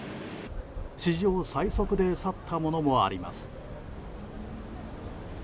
史上最速で去ったものもあります。